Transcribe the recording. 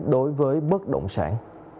đối với bất động sản